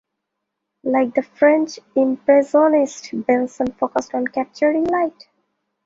Like the French Impressionists, Benson focused on capturing light.